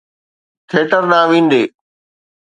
Theatre ڏانهن ويندي.